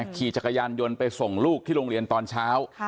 ขี่จักรยานยนต์ไปส่งลูกที่โรงเรียนตอนเช้า